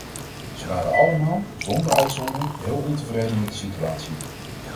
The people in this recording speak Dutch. Ze waren allemaal, zonder uitzondering, heel ontevreden met de situatie.